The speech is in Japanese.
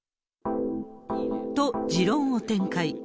と、持論を展開。